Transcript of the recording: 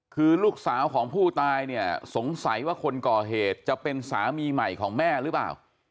คือลูกสาวของผู้ตายเนี่ยสงสัยว่าคนก่อเหตุจะเป็นสามีใหม่ของแม่หรือเปล่า